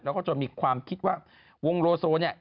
แล้วก็จนมีความคิดว่าวงโลโซเนี่ย